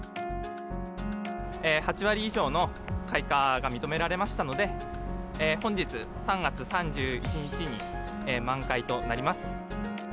８割以上の開花が認められましたので、本日３月３１日に、満開となります。